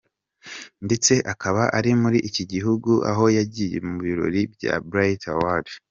Ndetse akaba ari muri iki gihugu, aho yagiye mu birori bya Brit Award.